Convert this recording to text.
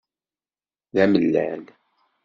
D amellal.